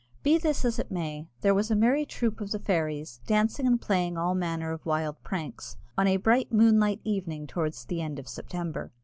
Be this as it may, there was a merry troop of the fairies, dancing and playing all manner of wild pranks, on a bright moonlight evening towards the end of September.